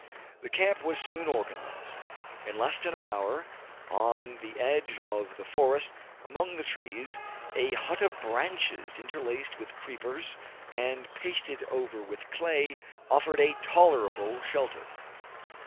The camp was soon organized. In less than an hour, on the edge of the forest, among the trees, a hut of branches interlaced with creepers, and pasted over with clay, offered a tolerable shelter.